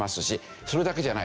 それだけじゃない。